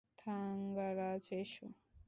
থাঙ্গারাজ, এসো।